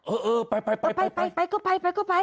เออไปไปไปไป